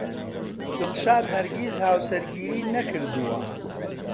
دڵشاد هەرگیز هاوسەرگیری نەکردەوە.